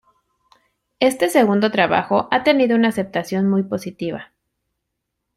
Este segundo trabajo ha tenido una aceptación muy positiva.